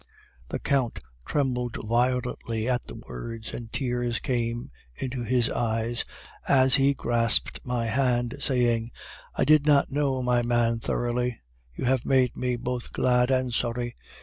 "The Count trembled violently at the words, and tears came into his eyes as he grasped my hand, saying, 'I did not know my man thoroughly. You have made me both glad and sorry.